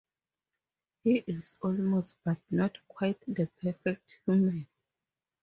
He is almost but not quite the perfect human.